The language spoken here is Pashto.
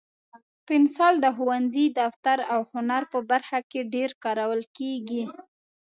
پنسل د ښوونځي، دفتر، او هنر په برخه کې ډېر کارول کېږي.